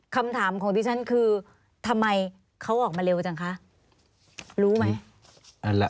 คำถามของดิฉันคือทำไมเขาออกมาเร็วจังคะรู้ไหม